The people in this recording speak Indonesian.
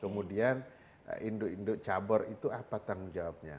kemudian induk induk cabur itu apa tanggung jawabnya